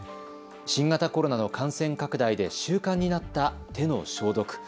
新型コロナの感染拡大で習慣になった手の消毒。